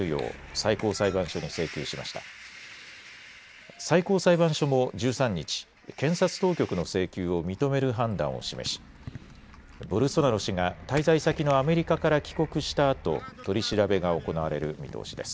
最高裁判所も１３日、検察当局の請求を認める判断を示しボルソナロ氏が滞在先のアメリカから帰国したあと取り調べが行われる見通しです。